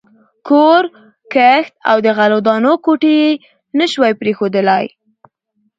کور، کښت او د غلو دانو کوټې یې نه شوای پرېښودلای.